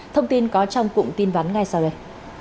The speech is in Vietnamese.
thông tin có trong cụm tin vắn ngay sau đây